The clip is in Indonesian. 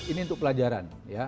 ini untuk pelajaran ya